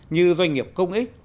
như doanh nghiệp công ích